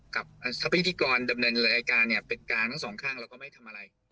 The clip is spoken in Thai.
กับถ้าพิธีกรดำเนินรายการเนี่ยเป็นกลางทั้งสองข้างเราก็ไม่ทำอะไร